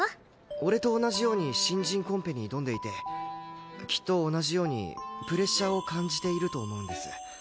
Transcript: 俺と同じように新人コンペに挑んでいてきっと同じようにプレッシャーを感じていると思うんです。